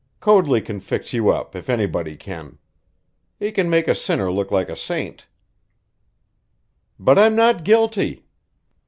Coadley can fix you up, if anybody can. He can make a sinner look like a saint." "But I'm not guilty!"